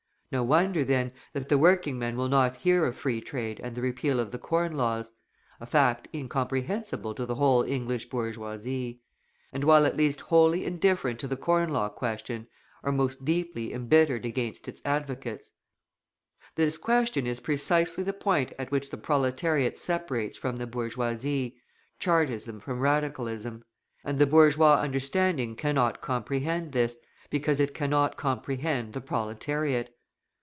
No wonder, then, that the working men will not hear of Free Trade and the repeal of the Corn Laws (a fact incomprehensible to the whole English bourgeoisie), and while at least wholly indifferent to the Corn Law question, are most deeply embittered against its advocates. This question is precisely the point at which the proletariat separates from the bourgeoisie, Chartism from Radicalism; and the bourgeois understanding cannot comprehend this, because it cannot comprehend the proletariat.